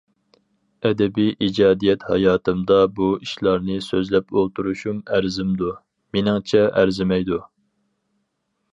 ئەدەبىي ئىجادىيەت ھاياتىمدا بۇ ئىشلارنى سۆزلەپ ئولتۇرۇشۇم ئەرزىمدۇ؟ مېنىڭچە ئەرزىيدۇ.